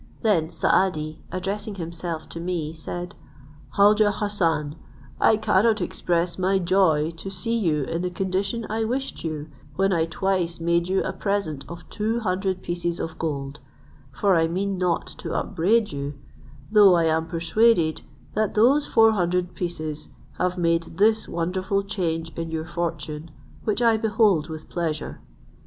Then Saadi, addressing himself to me, said, "Khaujeh Hassan, I cannot express my joy to see you in the condition I wished you, when I twice made you a present of two hundred pieces of gold, for I mean not to upbraid you; though I am persuaded that those four hundred pieces have made this wonderful change in your fortune, which I behold with pleasure.